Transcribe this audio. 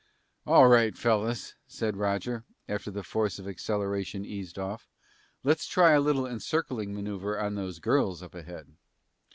"All right, fellas," said Roger, after the force of acceleration eased off, "let's try a little encircling maneuver on those girls up ahead."